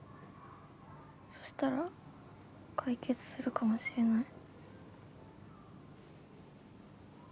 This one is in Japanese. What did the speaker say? そしたら解決するかもしれない。